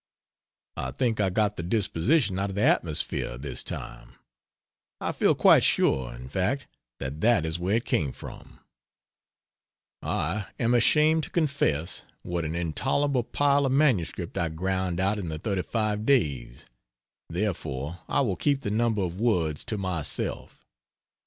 I think I got the disposition out of the atmosphere, this time. I feel quite sure, in fact, that that is where it came from. I am ashamed to confess what an intolerable pile of manuscript I ground out in the 35 days, therefore I will keep the number of words to myself.